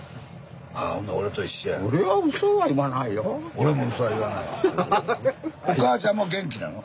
俺もウソは言わないよ。